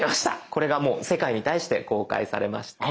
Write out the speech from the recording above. これがもう世界に対して公開されました。